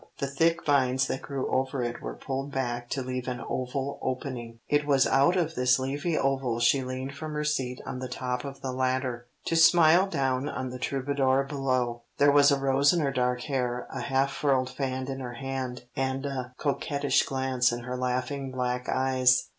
The thick vines that grew over it were pulled back to leave an oval opening. It was out of this leafy oval she leaned from her seat on the top of the ladder, to smile down on the troubadour below. There was a rose in her dark hair, a half furled fan in her hand, and a coquettish glance in her laughing black eyes.